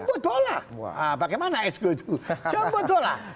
jemput bola bagaimana eskutu jemput bola